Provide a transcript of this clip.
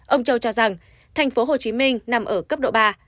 ông châu cho rằng tp hcm nằm ở cấp độ ba